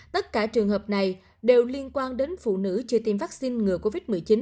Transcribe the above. tất cả trường hợp này đều liên quan đến phụ nữ chưa tiêm vaccine ngừa covid một mươi chín